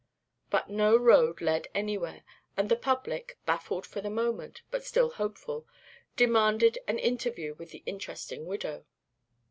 But no road led anywhere, and the public, baffled for the moment, but still hopeful, demanded an interview with the interesting widow.